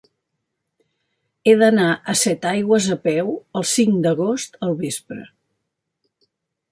He d'anar a Setaigües a peu el cinc d'agost al vespre.